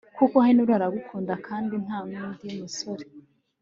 kuko Henry aragukunda kandi nta nundi musore